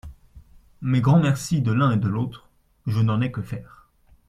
Mais grand merci de l'un et de l'autre : je n'en ai que faire.